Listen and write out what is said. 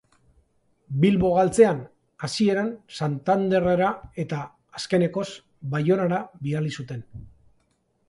Bilbo galtzean, hasieran Santanderrera eta, azkenekoz, Baionara bidali zuten.